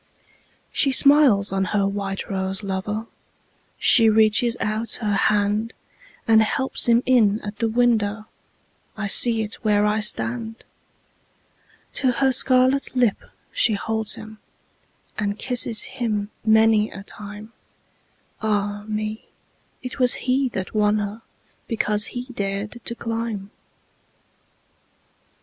She smiles on her white rose lover, She reaches out her handAnd helps him in at the window—I see it where I stand! To her scarlet lip she holds him, And kisses him many a time—Ah, me! it was he that won herBecause he dared to climb!